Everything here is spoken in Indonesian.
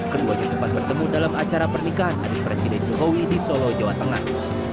keduanya sempat bertemu dalam acara pernikahan adik presiden jokowi di solo jawa tengah